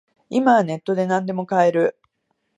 今はネットでなんでも買える